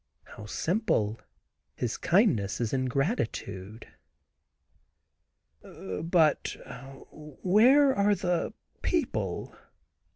How simple; his kindness is in gratitude. "But where are the people?"